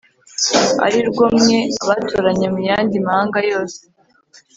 ari rwo mwe, abatoranya mu yandi mahanga yose